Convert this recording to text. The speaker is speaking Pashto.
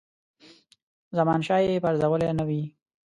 زمانشاه یې پرزولی نه وي.